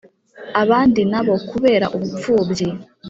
abandi na bo kubera ubupfubyi